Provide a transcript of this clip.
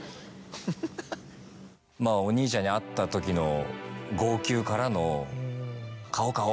お兄ちゃんに会ったときの号泣からの「顔顔！」